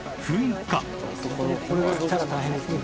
これがきたら大変ですね